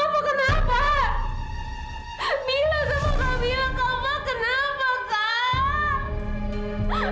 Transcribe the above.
aduh kenapa sih main nabrak nabrak aja